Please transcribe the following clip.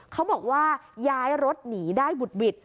เขาบอกว่าย้ายรถหนีได้บุดหวิด